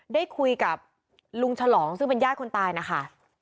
ได้คุยกับลุงฉลองซึ่งเป็นญาติคนตายนะคะ